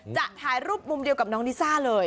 ถ่ายรูปมุมเดียวกับน้องลิซ่าเลย